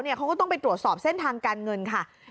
เขาก็ต้องไปตรวจสอบเส้นทางการเงินค่ะ